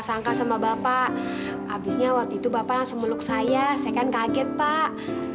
sangka sama bapak habisnya waktu itu bapak langsung meluk saya saya kan kaget pak